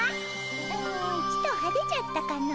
うんちと派手じゃったかの。